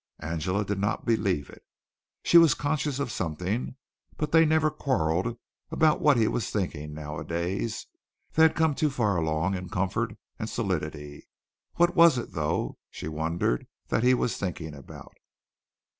Angela did not believe it. She was conscious of something, but they never quarreled about what he was thinking nowadays. They had come too far along in comfort and solidity. What was it, though, she wondered, that he was thinking about?